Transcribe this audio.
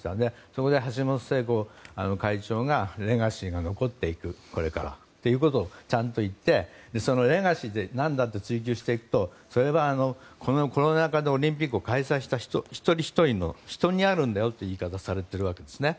そこで橋本聖子会長がレガシーが残っていくこれからということをちゃんと言ってそのレガシーって何だと追求していくと、それはコロナ禍でオリンピックを開催した一人ひとりの人にあるんだよという言い方をされているんですね。